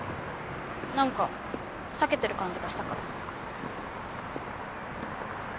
なんか避けてる感じがしたから。